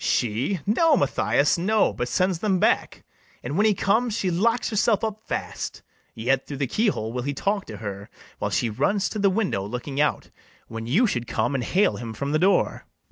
BARABAS. She! no, Mathias, no, but sends them back; And, when he comes, she locks herself up fast; Yet through the key hole will he talk to her, While she runs to the window, looking out When you should come and hale him from the door.